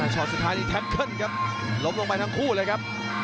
ช็อตสุดท้ายนี่แท็กเกิ้ลครับล้มลงไปทั้งคู่เลยครับ